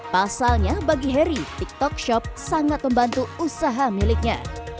pasalnya bagi harry tiktok shop sangat membantu usaha miliknya